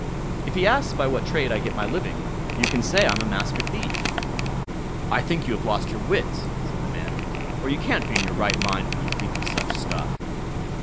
"If he asks by what trade I get my living, you can say I'm a Master Thief." "I think you've lost your wits", said the man, "for you can't be in your right mind when you think of such stuff."